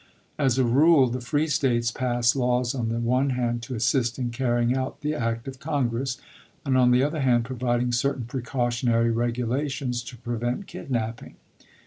As a rule, the free States passed chap. h. laws on the one hand to assist in carrying out the act of Congress, and on the other hand providing certain precautionary regulations to prevent kid naping.